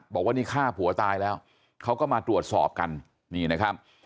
บอกว่านี่ฆ่าผัวตายแล้วเขาก็มาตรวจสอบกันนี่นะครับ